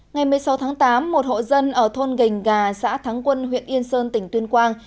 ngày một mươi sáu tháng tám một hộ dân ở thôn gành gà xã thắng quân huyện yên sơn tỉnh tuyên quang